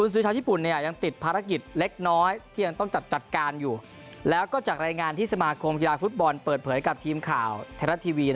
สือชาวญี่ปุ่นเนี่ยยังติดภารกิจเล็กน้อยที่อย่างต้องจัดการอยู่แล้วก็จากรายงานที่สมาคมกีฬาฟุตบอลเปิดเผยกับทีมข่าว